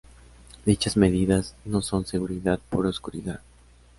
Dichas medidas no son seguridad por oscuridad.